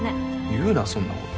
言うなそんなこと。